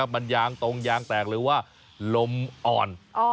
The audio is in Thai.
มันยางตรงยางแตกหรือว่าลมอ่อน